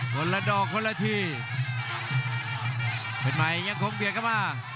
ละดอกคนละทีเป็นใหม่ยังคงเบียดเข้ามา